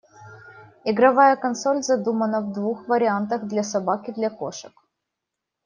Игровая консоль задумана в двух вариантах — для собак и для кошек.